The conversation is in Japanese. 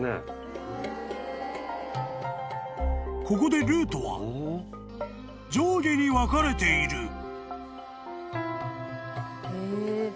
［ここでルートは上下に分かれている］